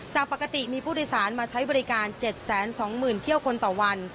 จากปกติมีผู้โดยสารมาใช้บริการ๗๒๐๐๐เที่ยวคนต่อวัน